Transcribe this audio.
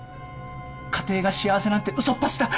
家庭が幸せなんてうそっぱちだ。